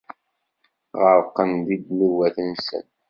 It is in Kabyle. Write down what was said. Ɣerqen di ddnubat-nsen.